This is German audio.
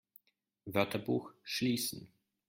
Wörterbuch schließen!